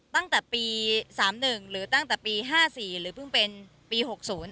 ตั้งแต่ปีสามหนึ่งหรือตั้งแต่ปีห้าสี่หรือเพิ่งเป็นปีหกศูนย์